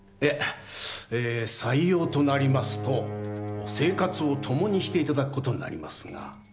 えー採用となりますと生活を共にして頂くことになりますが。